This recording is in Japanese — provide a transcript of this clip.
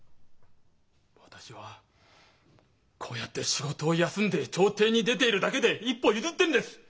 私はこうやって仕事を休んで調停に出ているだけで一歩譲ってるんです！